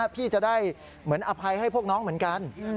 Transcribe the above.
พี่จะได้เหมือนอภัยให้พวกน้องเหมือนกัน